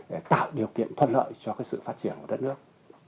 để tạo điều kiện thuận lợi cho sự phát triển của đất nước